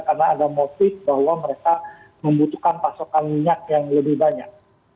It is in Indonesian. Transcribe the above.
karena ada motif bahwa mereka membutuhkan pasokan minyak yang lebih banyak